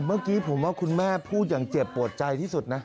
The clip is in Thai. เมื่อกี้ผมว่าคุณแม่พูดอย่างเจ็บปวดใจที่สุดนะ